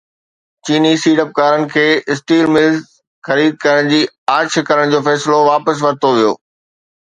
چيني سيڙپڪارن کي اسٽيل ملز خريد ڪرڻ جي آڇ ڪرڻ جو فيصلو واپس ورتو ويو